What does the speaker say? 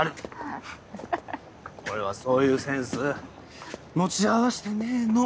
俺はそういうセンス持ち合わせてねえの。